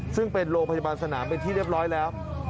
ซึ่งเป็นโรงพยาบาลสนามเป็นที่เรียบร้อยแล้ว